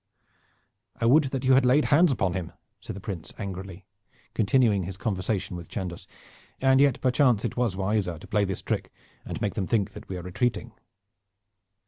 "I would that you had laid hands upon him," said the Prince angrily, continuing his conversation with Chandos, "and yet, perchance, it was wiser to play this trick and make them think that we were retreating."